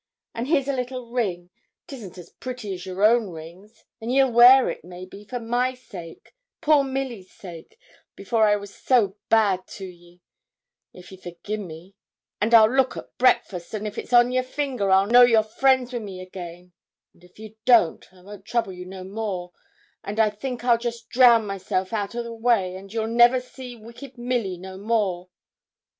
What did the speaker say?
and here's a little ring 'tisn't as pretty as your own rings; and ye'll wear it, maybe, for my sake poor Milly's sake, before I was so bad to ye if ye forgi' me; and I'll look at breakfast, and if it's on your finger I'll know you're friends wi' me again; and if ye don't, I won't trouble you no more; and I think I'll just drown myself out o' the way, and you'll never see wicked Milly no more.'